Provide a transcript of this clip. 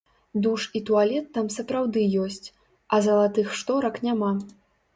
Душ і туалет там сапраўды ёсць, а залатых шторак няма.